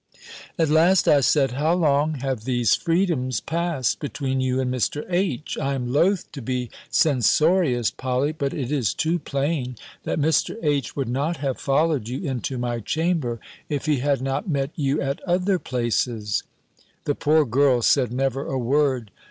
At last I said, "How long have these freedoms past between you and Mr. H.? I am loth to be censorious, Polly; but it is too plain, that Mr. H. would not have followed you into my chamber, if he had not met you at other places." The poor girl said never a word.